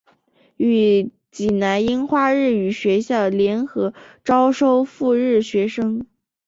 与济南樱花日语学校联合招收赴日学生。